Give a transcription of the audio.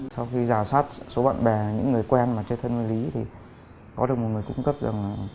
sau khi giả soát số bạn bè những người quen mà chơi thân với lý thì có được một người cung cấp rằng